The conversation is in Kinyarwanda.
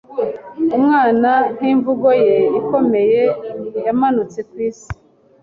Umwana nkimvugo ye ikomeye yamanutse kwisi